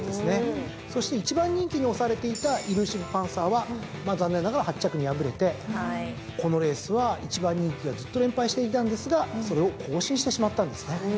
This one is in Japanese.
そして１番人気に推されていたイルーシヴパンサーは残念ながら８着に敗れてこのレースは１番人気がずっと連敗していたんですがそれを更新してしまったんですね。